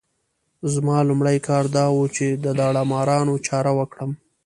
زما لومړی کار دا وو چې د داړه مارانو چاره وکړم.